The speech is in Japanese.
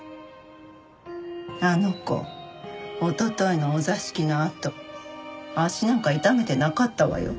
あの子おとといのお座敷のあと足なんか痛めてなかったわよ。